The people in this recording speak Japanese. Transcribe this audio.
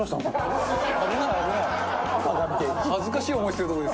恥ずかしい思いするとこです。